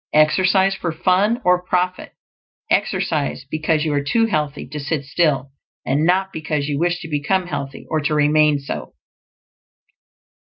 Exercise for fun or profit; exercise because you are too healthy to sit still, and not because you wish to become healthy, or to remain so.